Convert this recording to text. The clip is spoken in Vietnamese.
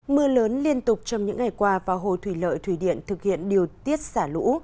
mưa lớn liên tục trong những ngày qua vào hồ thủy lợi thủy điện thực hiện điều tiết xả lũ